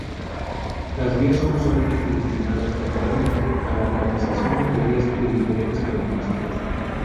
Las vías son usualmente destinadas temporalmente a la realización de ferias de diferentes características.